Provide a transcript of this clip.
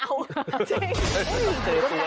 จริง